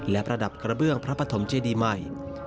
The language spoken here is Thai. และประดับกระเบื้องพระปฐมเจดีใหม่